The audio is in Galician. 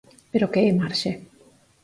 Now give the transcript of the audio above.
Pero que é marxe.